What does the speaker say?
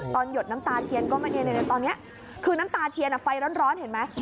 หยดน้ำตาเทียนก็มาตอนนี้คือน้ำตาเทียนไฟร้อนเห็นไหม